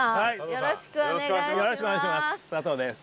よろしくお願いします佐藤です。